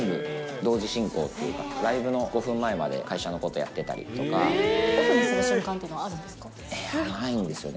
全部同時進行というか、ライブの５分前まで会社のことやオフにする瞬間というのはあないんですよね。